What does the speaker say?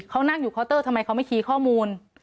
เขานั่งอยู่เคาน์เตอร์ทำไมเขาไม่คีย์ข้อมูล